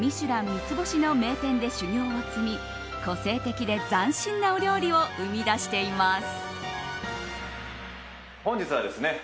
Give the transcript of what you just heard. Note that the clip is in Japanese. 三つ星の名店で修業を積み個性的で斬新なお料理を生み出しています。